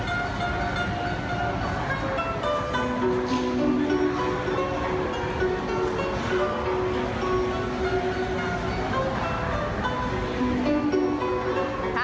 ก่อนหน้านี้มีเรื่องของอันตรีของกลุ่มแม่งครับ